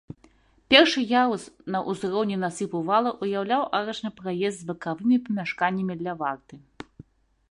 Першы ярус, на ўзроўні насыпу вала, уяўляў арачны праезд з бакавымі памяшканнямі для варты.